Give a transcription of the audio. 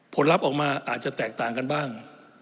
ผลลัพธ์ออกมาอาจจะแตกต่างกันบ้าง